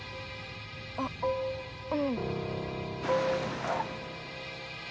あっうん。